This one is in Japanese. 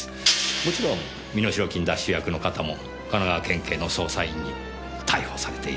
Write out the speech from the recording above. もちろん身代金奪取役の方も神奈川県警の捜査員に逮捕されているはずです。